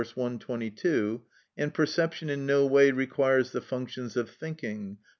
122), and perception in no way requires the functions of thinking (p.